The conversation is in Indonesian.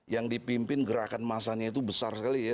yang dipimpin gerakan masanya itu besar sekali ya